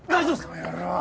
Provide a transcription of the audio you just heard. あの野郎。